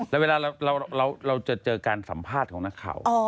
แล้วเวลาเราจะเจอการสัมภาษณ์ของนักข่าว